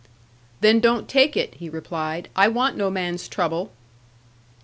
'Then don't take it,' he replied; 'I want no man's trouble.'